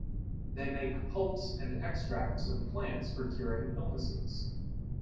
They make pulps and extracts of plants for curing illnesses.